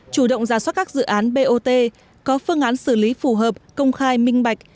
chủ động ra soát các dự án bot có phương án xử lý phù hợp công khai minh bạch